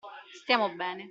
Stiamo bene.